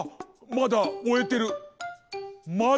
まだおえてる！